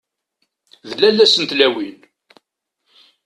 D lalla-s n tlawin!